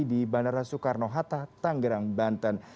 di bandara soekarno hatta tanggerang banten